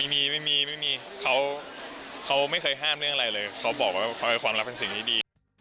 ไม่มีไม่มีเขาไม่เคยห้ามเรื่องอะไรเลยเขาบอกว่าความรักเป็นสิ่งที่ดี